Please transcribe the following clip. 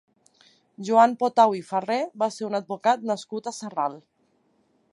Joan Potau i Farré va ser un advocat nascut a Sarral.